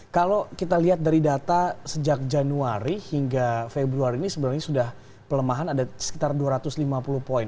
kalau kita lihat dari data sejak januari hingga februari ini sebenarnya sudah pelemahan ada sekitar dua ratus lima puluh poin